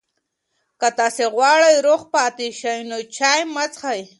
که تاسي غواړئ روغ پاتې شئ، نو چای مه څښئ.